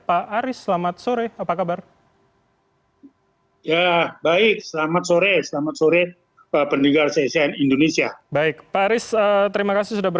pak aris selamat sore apa kabar